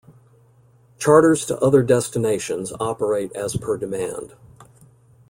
Charters to other destinations operate as per demand.